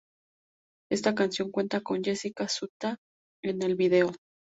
Esta canción cuenta con Jessica Sutta en el video.